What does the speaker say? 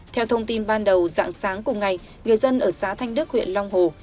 theo thông tin ban đầu dạng sáng cùng ngày người dân ở xã thanh đức huyện long hồ